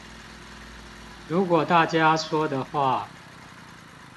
如果大家說的話